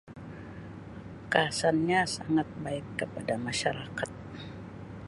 Kasannya sangat baik kepada masyarakat.